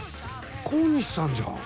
小西さんじゃん。